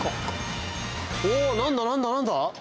おお何だ何だ何だ？